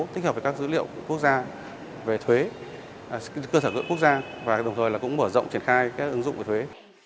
tích hợp với các dữ liệu của quốc gia về thuế cơ sở dữ liệu quốc gia và đồng thời cũng mở rộng triển khai các ứng dụng về thuế